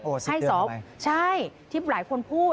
โอ้๑๐เดือนกันไหมใช่ที่หลายคนพูด